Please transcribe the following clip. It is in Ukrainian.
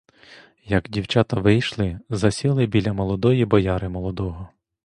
Як дівчата вийшли, засіли біля молодої бояри молодого.